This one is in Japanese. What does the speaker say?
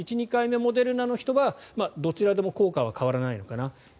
１、２回目モデルナの人はどちらも効果は変わらないのかな。